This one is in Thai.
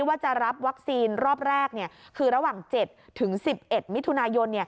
ว่าจะรับวัคซีนรอบแรกคือระหว่าง๗๑๑มิถุนายน